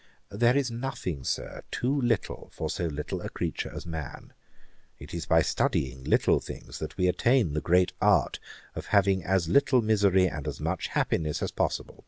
'There is nothing, Sir, too little for so little a creature as man. It is by studying little things that we attain the great art of having as little misery and as much happiness as possible.'